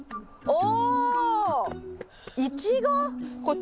お！